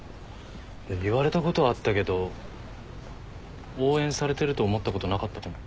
言われたことはあったけど応援されてると思ったことなかったかも。